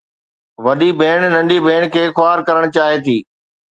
وڏي ڀيڻ ننڍي ڀيڻ کي خوار ڪرڻ چاهي ٿي.